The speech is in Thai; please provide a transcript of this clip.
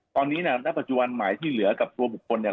ตอนนี้เนี่ยณปัจจุบันหมายที่เหลือกับตัวบุคคลเนี่ย